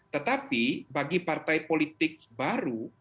tetapi bagi partai politik baru